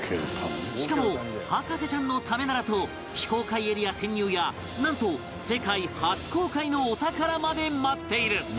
しかも博士ちゃんのためならと非公開エリア潜入やなんと世界初公開のお宝まで待っている